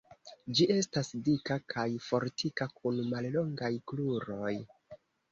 Ĝi estas dika kaj fortika kun mallongaj kruroj.